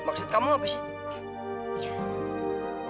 maksud kamu apa sih